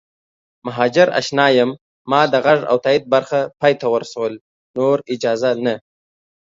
مهاجراشنا یم ما د غږ او تایید برخه پای ته ورسوله نور اجازه نه